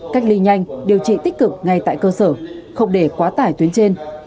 cách ly nhanh điều trị tích cực ngay tại cơ sở không để quá tải tuyến trên